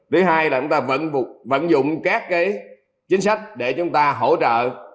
thứ hai là chúng ta vẫn vận dụng các chính sách để chúng ta hỗ trợ